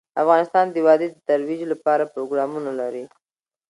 افغانستان د وادي د ترویج لپاره پروګرامونه لري.